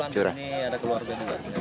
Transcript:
di sini ada keluarga